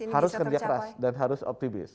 harus kerja keras dan harus optimis